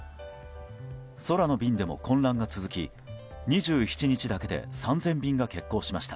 空の便でも混乱が続き２７日だけで３０００便が欠航しました。